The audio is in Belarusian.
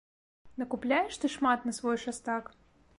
Накупляеш ты шмат на свой шастак!